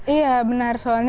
iya benar soalnya